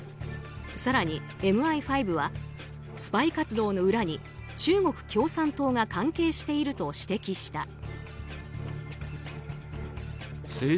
更に、ＭＩ５はスパイ活動の裏に中国共産党が関係していると指摘した。